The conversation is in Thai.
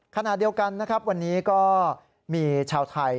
ขณะเดียวกันวันนี้ก็มีชาวไทย